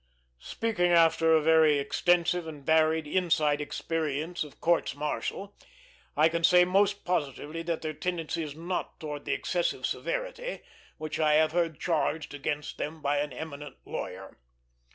Speaking after a very extensive and varied inside experience of courts martial, I can say most positively that their tendency is not towards the excessive severity which I have heard charged against them by an eminent lawyer.